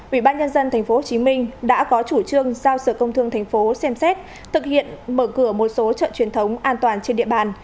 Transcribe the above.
ubnd tp hcm đã có chủ trương giao sự công thương tp xem xét thực hiện mở cửa một số chợ truyền thống an toàn trên địa bàn